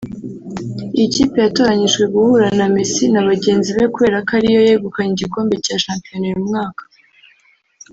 Iyi kipe yatoranyijwe guhura na Messi na bagenzi be kubera ko ariyo yegukanye igikombe cya shampiyona uyu mwaka